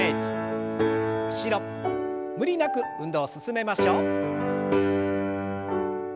無理なく運動を進めましょう。